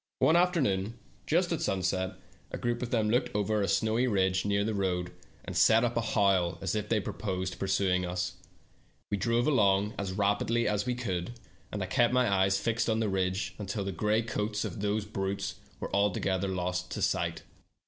One afternoon just at sunset a group of them looked over a snowy ridge near the road, and set up a howl as if they pro CHASED BY WOLVES. 153 posed pursuing us. We drove along as rapidly as we could, and I kept my eyes fixed on the ridge until the gray coats of those brutes were altogether lost to sight.